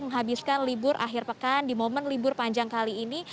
tepatnya ini saya berada di dekat tugu pancasila tmii